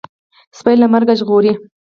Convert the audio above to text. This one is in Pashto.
سپى له مرګه ژغوري.